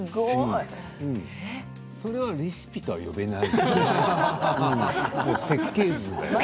それはレシピとは呼べない。